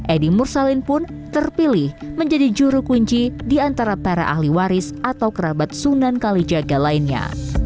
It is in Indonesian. edi mursalin pun terpilih menjadi juru kunci di antara para ahli waris atau kerabat sunan kalijaga lainnya